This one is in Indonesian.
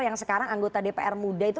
yang sekarang anggota dpr muda itu